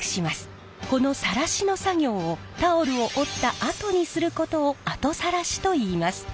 このさらしの作業をタオルを織ったあとにすることを後さらしといいます。